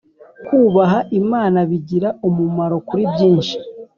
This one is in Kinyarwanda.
Kubaha imana bigira umumaro kuri byinshi